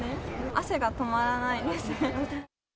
汗が止まらないです。